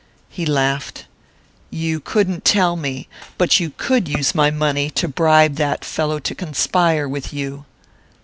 He laughed. "You couldn't tell me but you could use my money to bribe that fellow to conspire with you!"